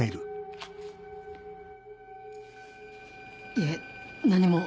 いえ何も。